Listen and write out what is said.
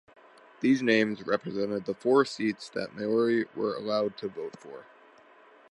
These names represented the four seats that Maori were allowed to vote for.